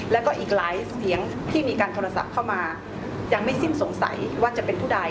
แล้วก็อีกหลายเสียงที่มีการโทรศัพท์เข้ามายังไม่สิ้นสงสัยว่าจะเป็นผู้ใด